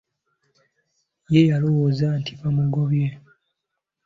Ye yalowooza nti bamugobye.